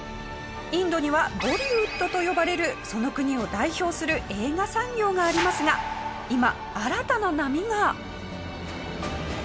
インドにはボリウッドと呼ばれるその国を代表する映画産業がありますが今新たな波が。